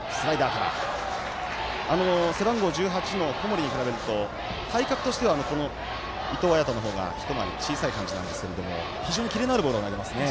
背番号１８の小森に比べると体格としては伊藤彩斗の方が１回り小さい感じなんですが非常にキレのあるボールを投げますね。